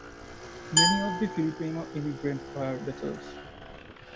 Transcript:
Many of these Filipino immigrants were bachelors.